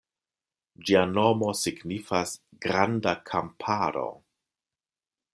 Ĝia nomo signifas "Granda Kamparo".